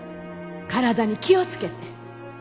体に気を付けて。